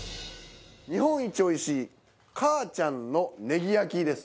日本一おいしいかあちゃんのネギ焼きです。